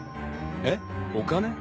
［えっ？お金？］